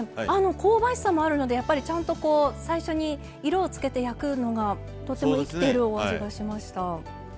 こうばしさもあるのでちゃんと最初に色をつけて焼くのがとても生きているお味がしました。